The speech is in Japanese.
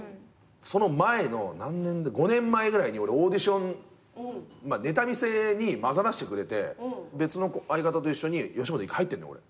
その前の５年前ぐらいに俺オーディションネタ見せに交ざらせてくれて別の相方と一緒に吉本に入ってんの俺。